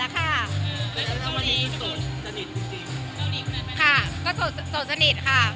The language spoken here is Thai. ค่ะก็โสดสนิทค่ะ